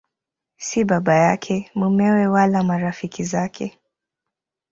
Si baba yake, mumewe wala marafiki zake.